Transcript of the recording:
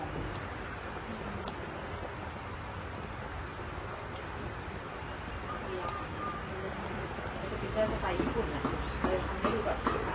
สไตล์ญี่ปุ่นอ่ะเราจะทำให้ดูกว่าสีขาวอ่ะ